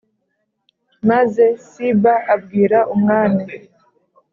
Maze Siba abwira umwami